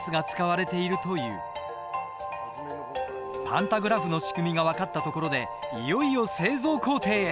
パンタグラフの仕組みが分かったところでいよいよ製造工程へ。